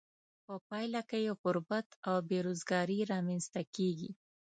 په پایله کې یې غربت او بې روزګاري را مینځ ته کیږي.